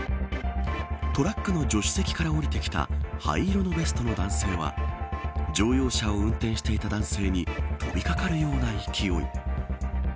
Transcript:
トラックの助手席から降りてきた灰色のベストの男性は乗用車を運転していた男性に飛びかかりような勢い。